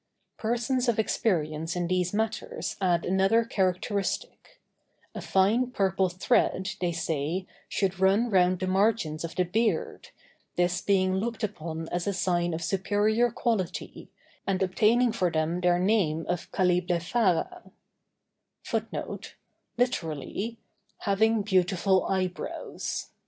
Persons of experience in these matters add another characteristic; a fine purple thread, they say, should run round the margins of the beard, this being looked upon as a sign of superior quality, and obtaining for them their name of "calliblephara."